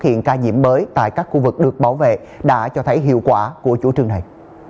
hiện ca nhiễm mới tại các khu vực được bảo vệ đã cho thấy hiệu quả của chủ trương này